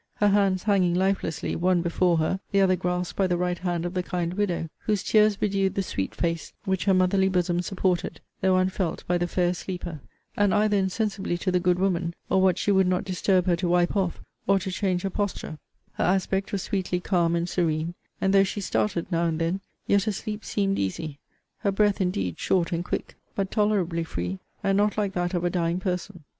her hands hanging lifelessly, one before her, the other grasped by the right hand of the kind widow, whose tears bedewed the sweet face which her motherly boson supported, though unfelt by the fair sleeper; and either insensibly to the good woman, or what she would not disturb her to wipe off, or to change her posture: her aspect was sweetly calm and serene: and though she started now and then, yet her sleep seemed easy; her breath, indeed short and quick; but tolerably free, and not like that of a dying person.